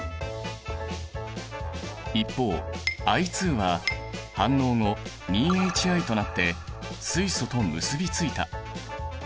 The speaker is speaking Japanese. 一方Ｉは反応後２ＨＩとなって水素と結びついた。